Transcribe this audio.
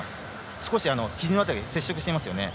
少しひじの辺りが接触していますよね。